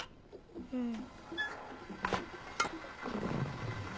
うん。